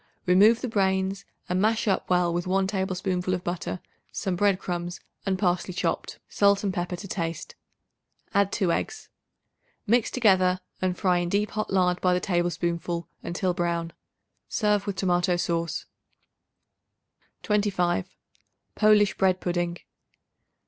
Remove the brains and mash up well with 1 tablespoonful of butter, some bread crumbs and parsley chopped, salt and pepper to taste; add 2 eggs. Mix together and fry in deep hot lard by the tablespoonful until brown. Serve with tomato sauce. 25. Polish Bread Pudding.